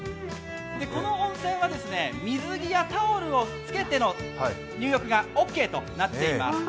この温泉は水着やタオルをつけての入浴がオーケーとなっています。